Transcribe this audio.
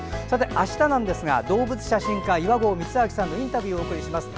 あしたなんですが動物写真家岩合光昭さんのインタビューをお送りします。